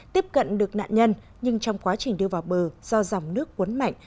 tiếp cận được nạn nhân nhưng trong quá trình đưa vào bờ do dòng nước quấn mạnh